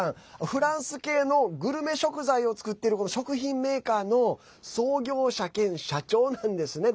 フランス系のグルメ食材を作ってる食品メーカーの創業者兼社長なんですね。